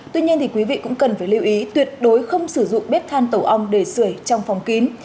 tuy nhiên quý vị cũng cần phải lưu ý tuyệt đối không sử dụng bếp than tổ ong để sửa trong phòng kín